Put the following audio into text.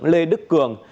lê đức cường